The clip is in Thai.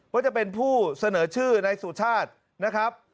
ว่าจะเป็นผู้เสนอชื่อนายสุชาตินะครับ